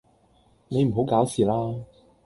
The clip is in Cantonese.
你唔好搞事啦